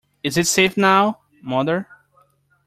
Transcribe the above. Is it safe now, mother?